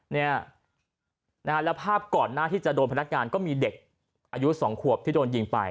เนี่ยนะฮะแล้วภาพก่อนหน้าที่จะโดนพนักงานก็มีเด็กอายุ๒ขวบที่โดนยิงไป